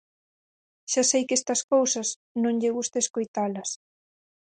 Xa sei que estas cousas non lle gusta escoitalas.